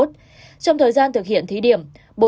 trong thời gian thực hiện thí điểm